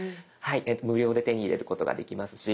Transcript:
無料で手に入れることができますし。